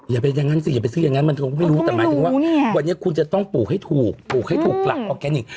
อย่าไปซื้อยังงั้นมันก็ไม่รู้แต่หมายถึงว่าวันนี้คุณจะต้องปลูกให้ถูกปลูกให้ถูกหลักออแกนิค